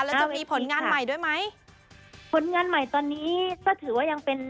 แล้วจะมีผลงานใหม่ด้วยไหมผลงานใหม่ตอนนี้ก็ถือว่ายังเป็น